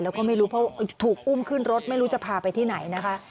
แล้วก็ไม่รู้เพราะถูกอุ้มขึ้นรถไม่รู้จะพาไปที่ไหนนะคะ